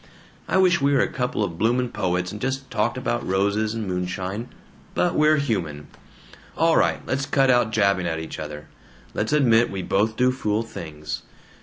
I wish we were a couple o' bloomin' poets and just talked about roses and moonshine, but we're human. All right. Let's cut out jabbing at each other. Let's admit we both do fool things.